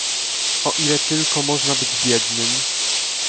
"„O ile tylko można być biednym."